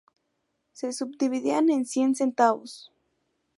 Se subdividía en cien centavos.